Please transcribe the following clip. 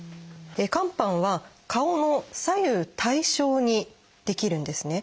肝斑は顔の左右対称に出来るんですね。